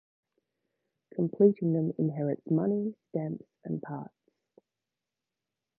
Completing them inherits money, stamps and parts.